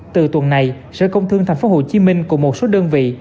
từ tuần này sở công thương tp hcm cùng một số đơn vị